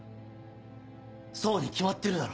そうに決まってるだろ。